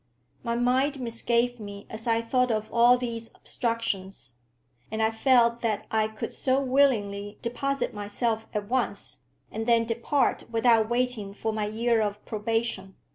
My mind misgave me as I thought of all these obstructions, and I felt that I could so willingly deposit myself at once, and then depart without waiting for my year of probation.